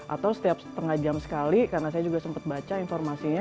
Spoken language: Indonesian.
atau setiap setengah jam sekali karena saya juga sempat baca informasinya